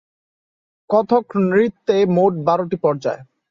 কথক নৃত্যে মোট বারোটি পর্যায়।